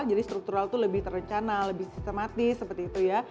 jadi struktural itu lebih terencana lebih sistematis seperti itu ya